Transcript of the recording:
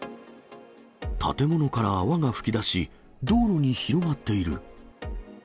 建物から泡が噴き出し、道路に広がっている。